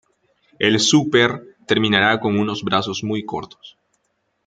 El Súper terminará con unos brazos muy cortos.